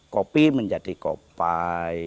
kopi menjadi kopai